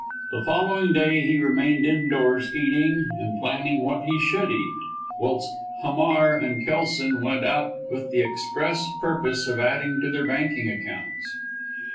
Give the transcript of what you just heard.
The following day he remained indoors eating, and planning what he should eat, whilst Hamar and Kelson went out with the express purpose of adding to their banking accounts.